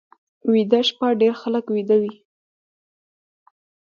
ویده شپه ډېر خلک ویده وي